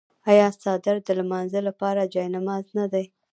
آیا څادر د لمانځه لپاره جای نماز نه دی؟